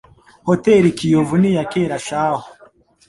Hotel Kiyovu niyakera shahu